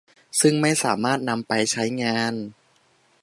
ซึ่งไม่สามารถนำไปใช้งาน